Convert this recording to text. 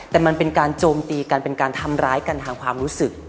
แต่มันเป็นการโจมตีกันเป็นการทำร้ายกันทางความรู้สึก